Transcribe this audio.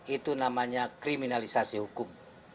itu namanya kriminalisasi hukum